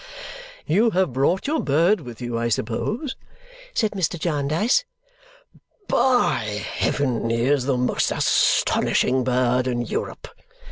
"You have brought your bird with you, I suppose?" said Mr. Jarndyce. "By heaven, he is the most astonishing bird in Europe!"